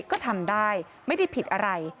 ก็ทำได้ไม่ได้ผิดอะไร